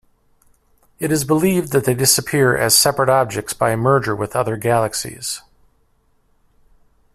It is believed that they disappear as separate objects by merger with other galaxies.